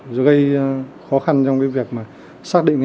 rồi gây khó khăn trong việc xác định